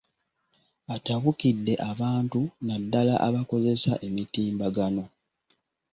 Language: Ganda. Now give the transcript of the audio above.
Atabukidde abantu naddala abakozesa emitimbagano.